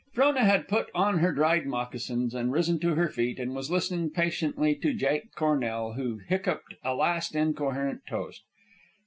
Frona had put on her dried moccasins and risen to her feet, and was listening patiently to Jake Cornell, who hiccoughed a last incoherent toast.